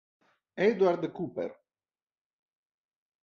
Edward Cooper